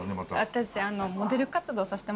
私。